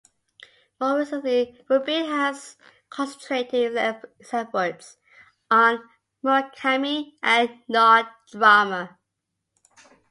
More recently Rubin has concentrated his efforts on Murakami, and Noh drama.